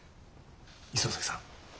磯崎さん